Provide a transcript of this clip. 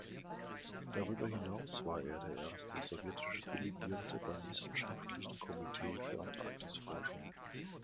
Darüber hinaus war er der erste sowjetische Delegierte beim "Wissenschaftlichen Komitee für Antarktisforschung".